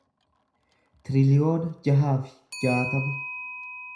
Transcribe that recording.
tiriliyoona jaha fi jaatama